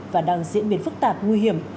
và đang diễn biến phức tạp nguy hiểm